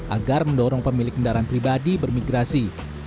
agar mendorong pemilik kendaraan pribadi bermigrasi